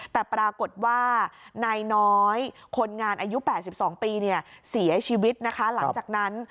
แต่ปรากฏว่านายน้อยคนงานอายุ๘๒ปีเสียชีวิตนะคะหลังจากนั้น